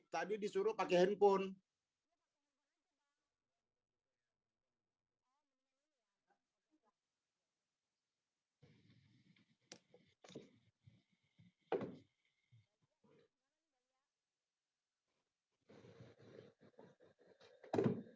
tadi disuruh pakai handphone